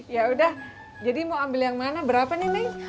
yaudah jadi mau ambil yang mana berapa nih neng